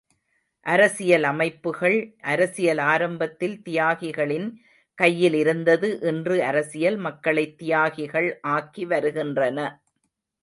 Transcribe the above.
அரசியல் அமைப்புகள் அரசியல் ஆரம்பத்தில் தியாகிகளின் கையில் இருந்தது, இன்று அரசியல் மக்களைத் தியாகிகள் ஆக்கி வருகின்றன.